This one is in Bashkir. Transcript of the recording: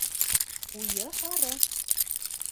Ҡуйы һары